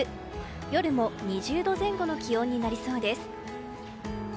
夜も２０度前後の気温になりそうです。